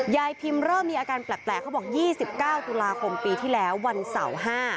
ยายพิมเริ่มมีอาการแปลกเขาบอก๒๙ตุลาคมปีที่แล้ววันเสาร์๕